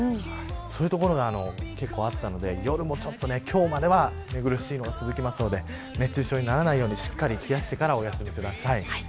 そういう所が結構あったので夜も今日までは寝苦しい夜が続きますので熱中症にならないように冷やしてからお休みください。